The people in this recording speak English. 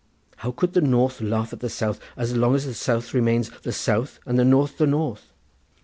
How could the north laugh at the south as long as the south remains the south and the north the north?